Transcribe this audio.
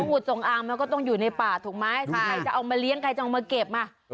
วุดจงอางมันก็ต้องอยู่ในป่าถูกไหมใครจะเอามาเลี้ยงใครจะเอามาเก็บอ่ะ